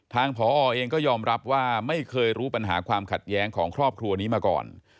ทางผอเองก็ยอมรับว่าไม่เคยรู้ปัญหาความขัดแย้งของครอบครัวนี้มาก่อน